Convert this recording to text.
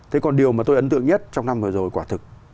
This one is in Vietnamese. thế còn điều mà tôi ấn tượng nhất trong năm vừa rồi quả thực